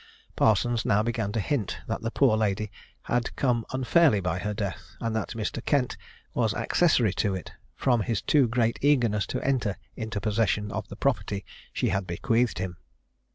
Parsons now began to hint that the poor lady had come unfairly by her death, and that Mr. Kent was accessory to it, from his too great eagerness to enter into possession of the property she had bequeathed him.